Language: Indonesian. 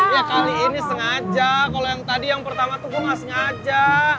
ya kali ini sengaja kalau yang tadi yang pertama tuh gue gak sengaja